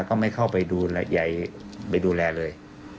ก็ไม่เข้าไปดูแลเลย